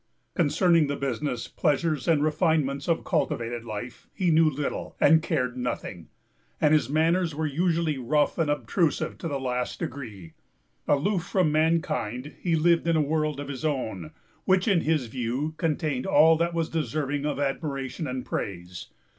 Concerning the business, pleasures, and refinements of cultivated life, he knew little, and cared nothing; and his manners were usually rough and obtrusive to the last degree. Aloof from mankind, he lived in a world of his own, which, in his view, contained all that was deserving of admiration and praise.